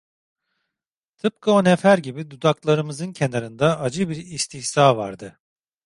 Tıpkı o nefer gibi, dudaklarımızın kenarında acı bir istihza vardı.